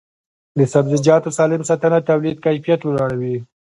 د سبزیجاتو سالم ساتنه د تولید کیفیت لوړوي.